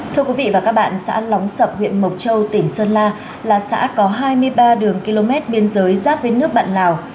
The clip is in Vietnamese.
thưa quý vị và các bạn xã lóng sập huyện mộc châu tỉnh sơn la là xã có hai mươi ba đường km biên giới giáp với nước bạn lào